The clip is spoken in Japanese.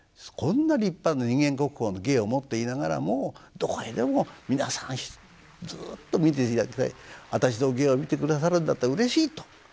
こんな立派な人間国宝の芸を持っていながらもどこへでも皆さんずっと見ていただいて私の芸を見てくださるんだったらうれしいと。